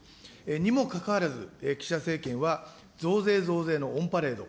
にもかかわらず、岸田政権は増税増税のオンパレード。